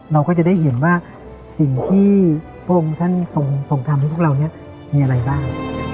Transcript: เราก็จะได้เห็นว่าสิ่งที่พระองค์ท่านทรงทำให้พวกเราเนี่ยมีอะไรบ้าง